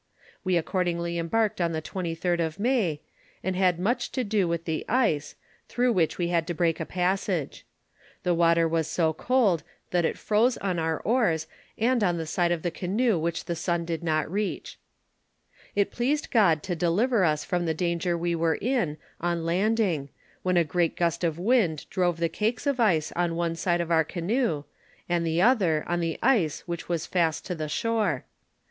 "We accordingly embarked on the 23d of May, and had much to do with the ice, through which we had to break a passage. The water was so cold, that it froze on our oars, and on the side of the canoe which the sun did not reach. ■I i '■ i 12 NABRATIVB OF FATHER ATXOUEZ. It pleased God to deliver ns from the danger we were in on landing, when a gust of wind drove the cakes of ice on one side of our canoe, and the other on the ice which was fast to the shore.